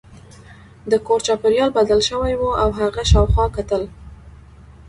د کور چاپیریال بدل شوی و او هغه شاوخوا کتل